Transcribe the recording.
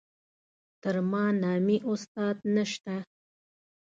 تر ما نامي استاد نشته.